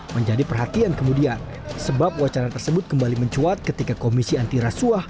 menjadi perhatian kemudian sebab wacana tersebut kembali mencuat ketika komisi antirasuah